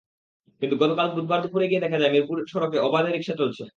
কিন্তু গতকাল বুধবার দুপুরে গিয়ে দেখা যায়, মিরপুর সড়কে অবাধে রিকশা চলছে।